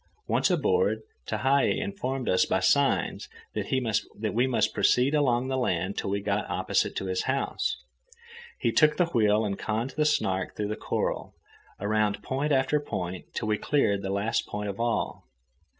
Once aboard, Tehei informed us by signs that we must proceed along the land till we got opposite to his house. He took the wheel and conned the Snark through the coral, around point after point till we cleared the last point of all.